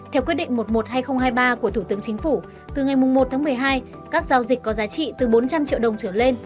theo quyết định một trăm một mươi hai nghìn hai mươi ba của thủ tướng chính phủ từ ngày một tháng một mươi hai các giao dịch có giá trị từ bốn trăm linh triệu đồng trở lên